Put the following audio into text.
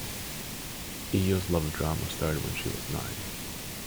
Eyo's love of drama started when she was nine.